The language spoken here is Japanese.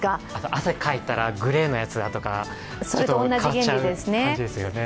汗かいたら、グレーのやつだとか変わっちゃう感じですよね。